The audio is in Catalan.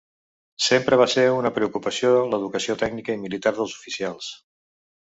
Sempre va ser una preocupació l'educació tècnica i militar dels oficials.